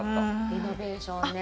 リノベーションね。